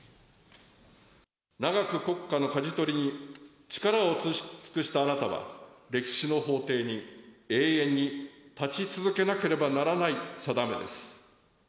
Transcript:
長く国家のかじ取りに力を尽くしたあなたは、歴史の法廷に永遠に立ち続けなければならないさだめです。